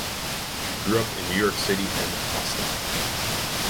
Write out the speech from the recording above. She grew up in New York City and Oslo.